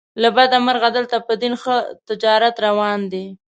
له بده مرغه دلته په دین ښه تجارت روان دی.